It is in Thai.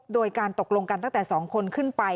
โดยการตกลงกันตั้งแต่๒คนขึ้นไป